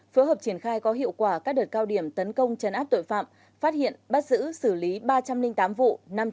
phối hợp triển khai có hiệu quả các đợt cao điểm tấn công chấn áp tội phạm phát hiện bắt giữ xử lý ba trăm linh tám vụ